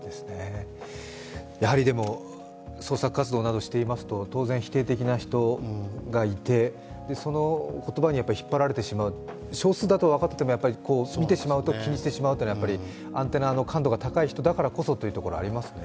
やはり創作活動などしていますと当然、否定的な人がいてその言葉に引っ張られてしまう少数だとは分かっていてもやっぱり見てしまうと気にしてしまうというのはアンテナの感度が高い人だからこそというところはありますね。